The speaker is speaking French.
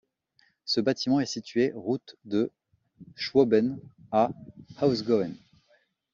Ce bâtiment est situé route de Schwoben à Hausgauen.